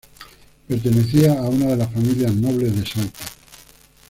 Pertenecía a una de las familias nobles de Salta.